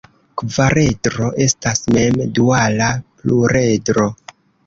Kvaredro estas mem-duala pluredro.